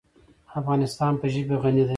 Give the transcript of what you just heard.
افغانستان په ژبې غني دی.